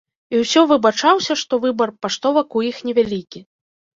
І ўсё выбачаўся, што выбар паштовак у іх невялікі.